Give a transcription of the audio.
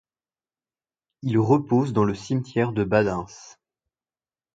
Il repose dans le cimetière de Badens.